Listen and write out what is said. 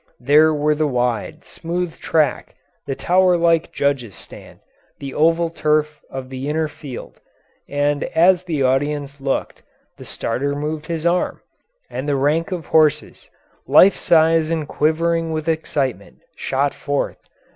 There were the wide, smooth track, the tower like judges' stand, the oval turf of the inner field, and as the audience looked the starter moved his arm, and the rank of horses, life size and quivering with excitement, shot forth.